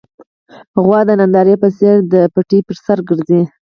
غوا د نندارې په څېر د پټي پر سر ګرځي.